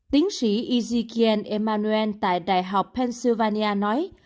tiến sĩ ezekiel emmanuel tại đại học pennsylvania nói